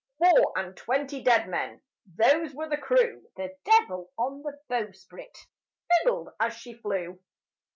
Four and twenty dead men, Those were the crew, The devil on the bowsprit Fiddled as she flew.